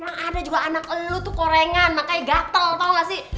emang ada juga anak lu tuh gorengan makanya gatel tau gak sih